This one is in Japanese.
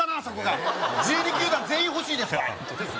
そこが１２球団全員欲しいですわ